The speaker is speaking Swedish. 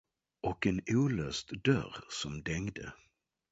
Och en olåst dörr, som dängde.